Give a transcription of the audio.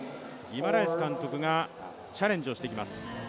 ギマラエス監督がチャレンジをしてきます。